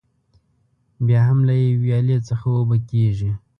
بیا هم له یوې ویالې څخه اوبه کېږي.